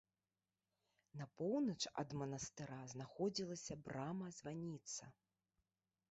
На поўнач ад манастыра знаходзілася брама-званіца.